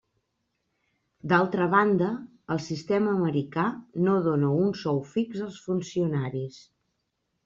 D'altra banda, el sistema americà no dóna un sou fix als funcionaris.